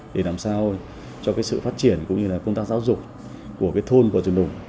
để làm sao cho sự phát triển cũng như công tác giáo dục của thôn và trường đồng